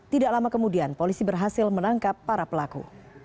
tidak lama kemudian polisi berhasil menangkap para pelaku